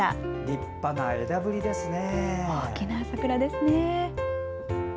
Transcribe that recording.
立派な枝ぶりですね。